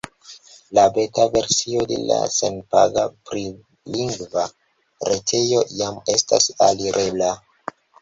La beta versio de la senpaga prilingva retejo jam estas alirebla.